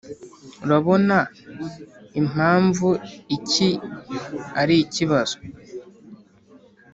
urabona impamvu iki ari ikibazo?